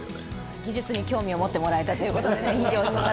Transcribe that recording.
技術に興味を持ってもらえたということで。